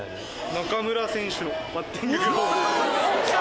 中村選手のバッティンググローブ。